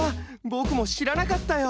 ぼくもしらなかったよ。